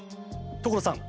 所さん！